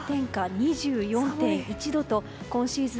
２４．１度と今シーズン